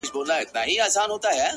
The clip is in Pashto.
كله ؛كله ديدنونه زما بــدن خــوري؛